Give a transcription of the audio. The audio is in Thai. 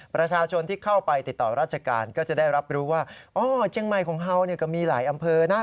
ประชาชนที่เข้าไปติดต่อราชการก็จะได้รับรู้ว่าอ๋อเจียงใหม่ของเฮาเนี่ยก็มีหลายอำเภอนะ